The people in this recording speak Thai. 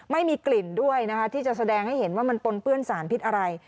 ไม่มีกลิ่นด้วยนะคะที่จะแสดงให้เห็นว่ามันปนเปื้อนสารพิษอะไร